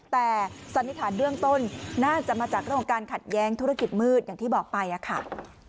แต่สันนิษฐานเบื้องต้นน่าจะมาจากเรื่องของการขัดแย้งธุรกิจมืดอย่างที่บอกไปค่ะ